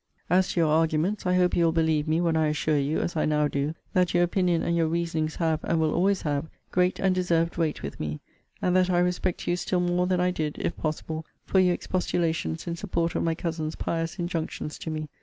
As to your arguments; I hope you will believe me, when I assure you, as I now do, that your opinion and your reasonings have, and will always have, great and deserved weight with me; and that I respect you still more than I did, if possible, for your expostulations in support of my cousin's pious injunctions to me.